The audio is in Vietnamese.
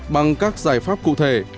bằng các giải pháp cụ thể